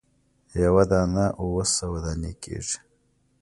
یوه دانه اووه سوه دانې کیږي.